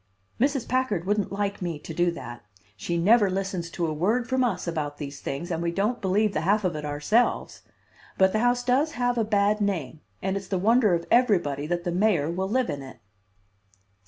"Mrs. Packard wouldn't like me to do that. She never listens to a word from us about these things, and we don't believe the half of it ourselves; but the house does have a bad name, and it's the wonder of everybody that the mayor will live in it."